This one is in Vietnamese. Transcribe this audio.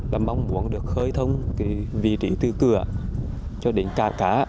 là mong muốn được khơi thông vị trí tư cửa cho đến cả cá